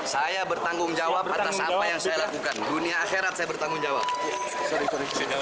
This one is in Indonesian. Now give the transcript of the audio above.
saya bertanggungjawab atas apa yang saya lakukan dunia akhirat saya bertanggungjawab